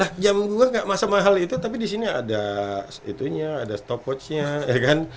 nah jamu juga nggak masa mahal itu tapi di sini ada itunya ada stopwatch nya ya kan